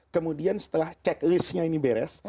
kemudian setelah checklistnya itu sudah selesai